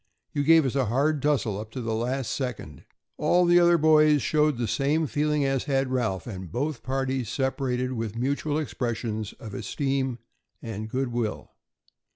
You gave us a hard tussle up to the last second." All the other boys showed the same feeling as had Ralph, and both parties separated with mutual expressions of esteem and good will.